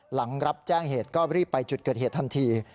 หลังรับแจ้งเหตุก็รีบไปจุดเกิดเหตุทันที